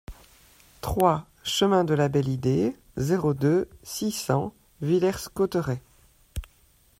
trois chemin de la Belle Idée, zéro deux, six cents Villers-Cotterêts